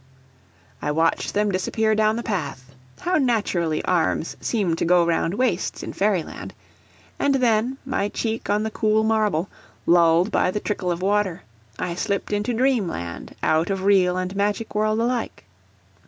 I watched them disappear down the path how naturally arms seem to go round waists in Fairyland! and then, my cheek on the cool marble, lulled by the trickle of water, I slipped into dreamland out of real and magic world alike.